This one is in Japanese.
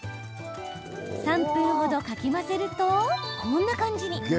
３分ほど、かき混ぜるとこんな感じに。